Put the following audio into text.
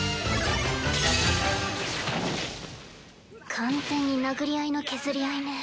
完全に殴り合いの削り合いね。